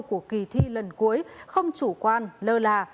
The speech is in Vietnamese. của kỳ thi lần cuối không chủ quan lơ là